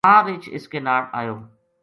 تاں رچھ اس کے ناڑ اَیو